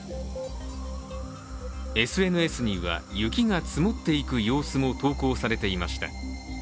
ＳＮＳには雪が積もっていく様子も投稿されていました。